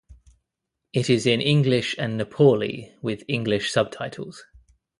It is in English and Nepali with English subtitles.